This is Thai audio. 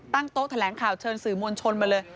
โต๊ะแถลงข่าวเชิญสื่อมวลชนมาเลย